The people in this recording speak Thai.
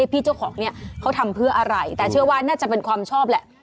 พี่เจ้าของเนี่ยเขาทำเพื่ออะไรแต่เชื่อว่าน่าจะเป็นความชอบแหละ